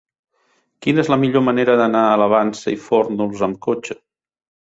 Quina és la millor manera d'anar a la Vansa i Fórnols amb cotxe?